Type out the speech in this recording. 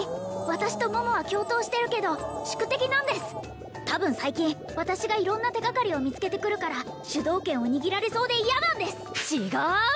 私と桃は共闘してるけど宿敵なんです多分最近私が色んな手がかりを見つけてくるから主導権を握られそうで嫌なんです違う！